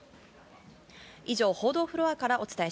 以上、報道フロアからお伝え